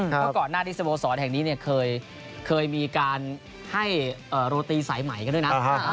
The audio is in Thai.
เพราะก่อนหน้าที่สโมสรแห่งนี้เคยมีการให้โรตีสายใหม่กันด้วยนะ